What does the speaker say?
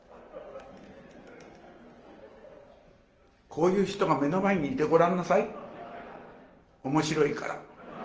こういう人が目の前にいてごらんなさい面白いから。